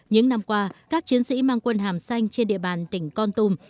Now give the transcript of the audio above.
những năm qua các chiến sĩ mang quân hàm xanh trên địa bàn tỉnh con tum